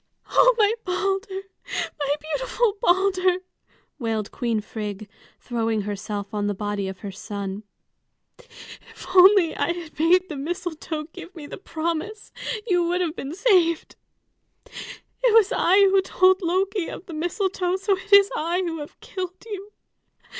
"Oh, my Balder, my beautiful Balder!" wailed Queen Frigg, throwing herself on the body of her son. "If I had only made the mistletoe give me the promise, you would have been saved. It was I who told Loki of the mistletoe, so it is I who have killed you.